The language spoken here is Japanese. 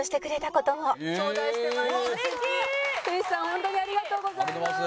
ホントにありがとうございます。